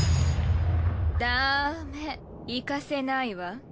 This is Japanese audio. だめ行かせないわ。